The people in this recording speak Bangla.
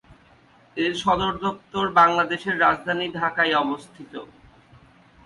এর সদরদপ্তর বাংলাদেশের রাজধানী ঢাকায় অবস্থিত।